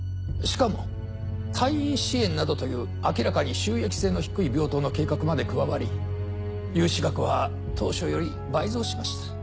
しかも退院支援などという明らかに収益性の低い病棟の計画まで加わり融資額は当初より倍増しました。